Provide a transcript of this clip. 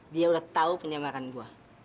dia udah tau penyamaran gue